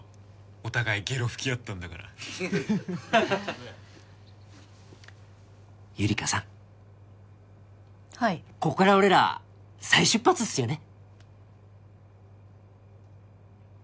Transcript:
お互いゲロ拭き合ったんだからゆりかさんはいこっから俺ら再出発っすよね？